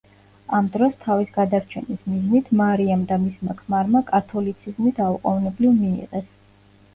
ამ დროს თავის გადარჩენის მიზნით მარიამ და მისმა ქმარმა კათოლიციზმი დაუყოვნებლივ მიიღეს.